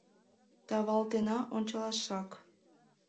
Тавалтена ончалашак